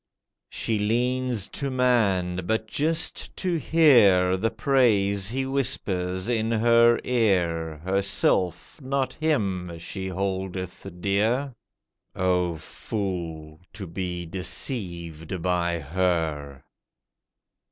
She leans to man—but just to hear The praise he whispers in her ear; Herself, not him, she holdeth dear— O fool! to be deceived by her.